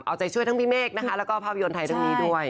เอาใจช่วยทั้งพี่เมฆนะคะแล้วก็ภาพยนตร์ไทยทั้งนี้ด้วย